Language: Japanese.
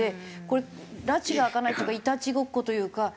これらちが明かないっていうかいたちごっこというか。